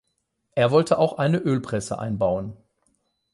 Er wollte auch eine Ölpresse einbauen.